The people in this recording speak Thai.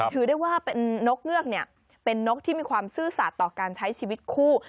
ถือได้ว่าเป็นนกเงือกเป็นนกที่มีความซื่อสัตว์ต่อการใช้ชีวิตคู่